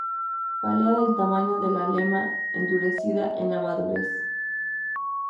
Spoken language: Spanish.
Pálea del tamaño de la lema, endurecida en la madurez.